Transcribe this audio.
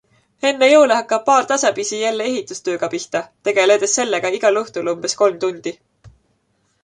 Enne jõule hakkab paar tasapisi jälle ehitustööga pihta, tegeledes sellega igal õhtul umbes kolm tundi.